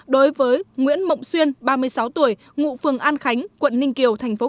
đối với nguyễn mộng xuyên ba mươi sáu tuổi ngụ phường an khánh quận ninh kiều tp hcm